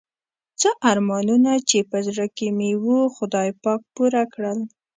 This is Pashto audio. څه ارمانونه چې په زړه کې مې وو خدای پاک پوره کړل.